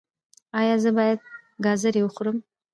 ایا زه باید ګازرې وخورم؟